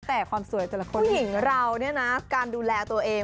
หู้หญิงเรานี่นะการดูแลตัวเอง